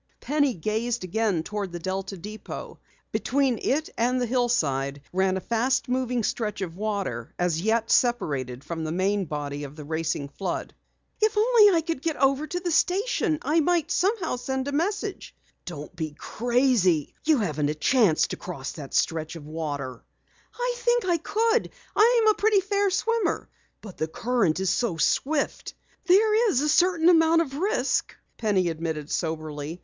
Penny gazed again toward the Delta depot. Between it and the hillside ran a fast moving stretch of water, yet separated from the main body of the racing flood. "If only I could get over to the station, I might somehow send a message!" "Don't be crazy!" Louise remonstrated. "You haven't a chance to cross that stretch of water!" "I think I could. I'm a pretty fair swimmer." "But the current is so swift." "There's a certain amount of risk," Penny admitted soberly.